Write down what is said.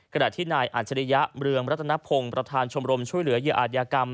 ขณะที่นายอัจฉริยะเมืองรัฐนพงศ์ประธานชมรมช่วยเหลือเหยื่ออาจยากรรม